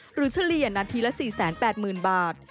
เฉลี่ยนาทีละ๔๘๐๐๐บาท